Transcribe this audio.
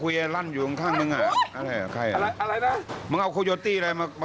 พี่หนูว่าเรายกทีมกลับก่อนดีไหม